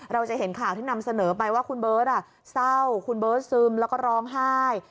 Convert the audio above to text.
เราจะเห็นข่าวที่นำเสนอไปว่าคุณเบิร์ตเศร้าคุณเบิร์ตซึมแล้วก็ร้องไห้